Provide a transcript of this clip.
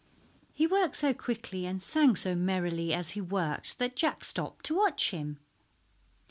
He worked so quickly and sang so merrily as he worked that Jack stopped to watch him.